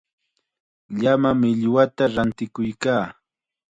Llama millwata rantikuykaa.